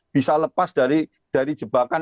bisa lepas dari jebakan